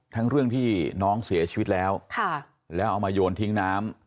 ทั้งเรื่องที่น้องเสียชีวิตแล้วแล้วเอามาโยนทิ้งน้ำ